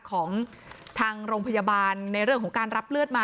ของทางโรงพยาบาลในเรื่องของการรับเลือดมา